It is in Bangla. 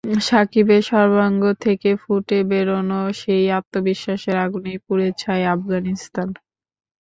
সাকিবের সর্বাঙ্গ থেকে ফুটে বেরোনো সেই আত্মবিশ্বাসের আগুনেই পুড়ে ছাই আফগানিস্তান।